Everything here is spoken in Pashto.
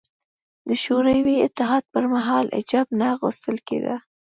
د شوروي اتحاد پر مهال حجاب نه اغوستل کېده